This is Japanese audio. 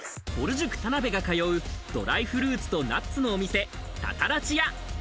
塾・田辺が通うドライフルーツとナッツのお店・多々楽達屋。